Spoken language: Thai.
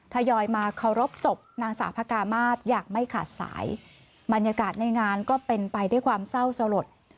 ทยอยมาเคารพศพนางสาวพระกามาศอย่างไม่ขาดสายบรรยากาศในงานก็เป็นไปด้วยความเศร้าสลด